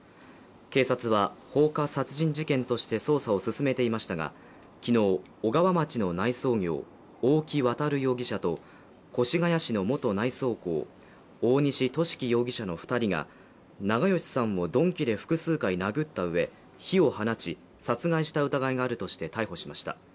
警察は、放火殺人事件として捜査を進めていましたが昨日、小川町の内装業大木渉容疑者と越谷市の元内装工大西寿貴容疑者の２人が長葭さんを鈍器で複数回殴ったうえ火を放ち、殺害した疑いがあるとして、逮捕しました。